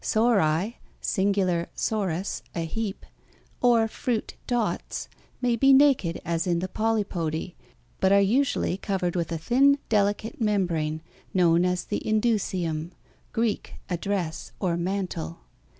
Sori (singular sorus, a heap), or fruit dots may be naked as in the polypody, but are usually covered with a thin, delicate membrane, known as the indusium (Greek, a dress, or mantle).